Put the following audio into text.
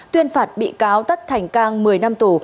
tuyên phạt bị cáo tất thành cang một mươi năm tù